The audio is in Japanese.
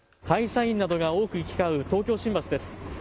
会社員などが多く行き交う東京新橋です。